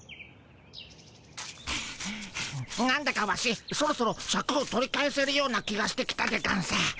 なんだかワシそろそろシャクを取り返せるような気がしてきたでゴンス。